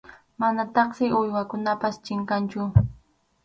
Manataqsi uywakunapas chinkanchu.